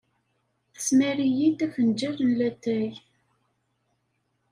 Tesmar-iyi-d afenǧal n latay.